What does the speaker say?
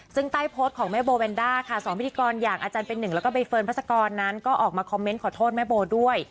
ซึ่งใต้โพสต์ของแม่โบแวนด้าค่ะ๒พิธีกรอย่างอาจารย์เป็นหนึ่งแล้วก็ใบเฟิร์นพัศกรนั้นก็ออกมาคอมเมนต์ขอโทษแม่โบด้วย